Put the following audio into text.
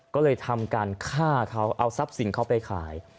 ก็เลยทำการฆ่าเขาเอาทรัพย์สินเขาไปขาย